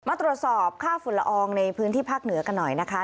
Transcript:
มาตรวจสอบค่าฝุ่นละอองในพื้นที่ภาคเหนือกันหน่อยนะคะ